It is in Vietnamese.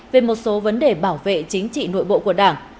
về một số vấn đề bảo vệ chính trị nội bộ của đảng